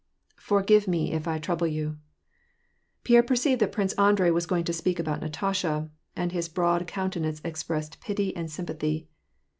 " Forgive me if I trouble you "— Pierre perceived that Prince Andrei was going to speak about Natasha, and his broad countenance expressed pity and sym pathy.